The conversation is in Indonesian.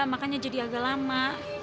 makanya jadi agak lama